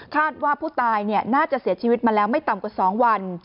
ว่าผู้ตายน่าจะเสียชีวิตมาแล้วไม่ต่ำกว่า๒วัน